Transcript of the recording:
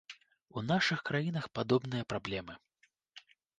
У нашых краінах падобныя праблемы.